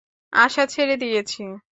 আশা ছেড়ে দিয়েছি।